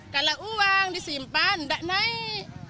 kalau uang disimpan tidak naik